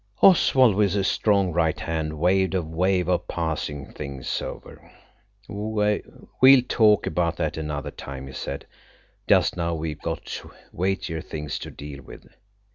Oswald, with his strong right hand, waved a wave of passing things over. "We'll talk about that another time," he said; "just now we've got weightier things to deal with."